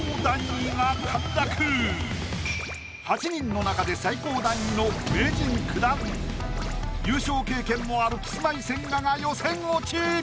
８人の中で最高段位の名人９段優勝経験もあるキスマイ千賀が予選落ち！